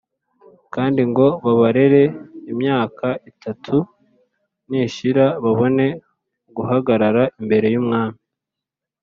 kandi ngo babarere imyaka itatu nishira babone guhagarara imbere y’umwami